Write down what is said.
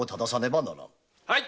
はい！